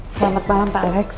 selamat malam pak alex